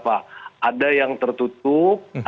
ada yang tertutup